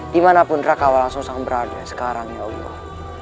dimanapun raka walang sosang berada sekarang ya allah